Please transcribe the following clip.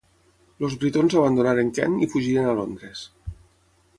Els britons abandonaren Kent i fugiren a Londres.